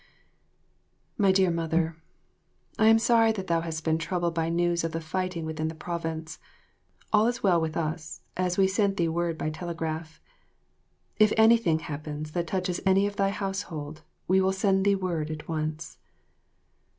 12 My Dear Mother, I am sorry that thou hast been troubled by news of the fighting within the province. All is well with us, as we sent thee word by telegraph. If anything happens that touches any of thy household, we will send thee word at once.